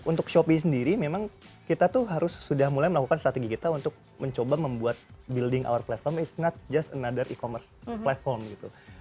untuk shopee sendiri memang kita tuh harus sudah mulai melakukan strategi kita untuk mencoba membuat building our platform is not just another e commerce platform gitu